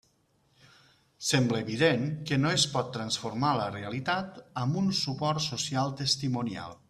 Sembla evident que no es pot transformar la realitat amb un suport social testimonial.